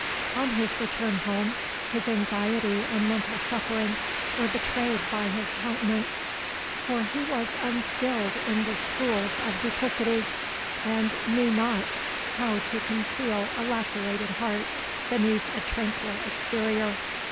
On his return home, his anxiety and mental suffering were betrayed by his countenance,—for he was unskilled in the schools of duplicity, and knew not how to conceal a lacerated heart beneath a tranquil exterior.